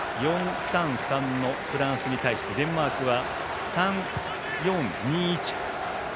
４−３−３のフランスに対してデンマークは３−４−２−１。